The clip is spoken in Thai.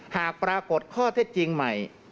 หากปรากฏข้อเท็จจริงใหม่